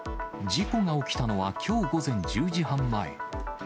事故が起きたのはきょう午前１０時半前。